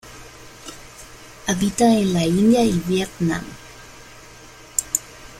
Habita en la India y Vietnam.